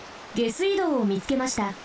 下水道をみつけました。